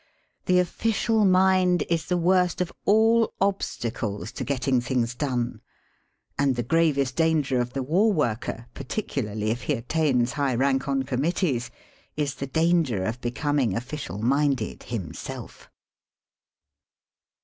The Official Mind is the worst of all obstacles to getting things done. And the gravest danger of the war worker, particularly if he attains high rank on Committees, is the danger of becoming official minded himself.